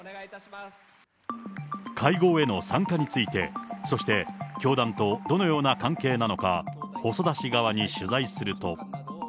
会合への参加について、そして教団とどのような関係なのか、細田氏側に取材すると。